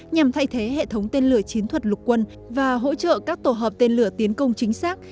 nhằm thay thế hệ thống tên lửa chiến thuật lục quân và hỗ trợ các tổ hợp tên lửa tiến công chính xác